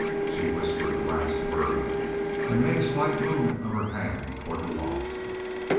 She whispered the last word and made a slight movement of her hand toward the loft.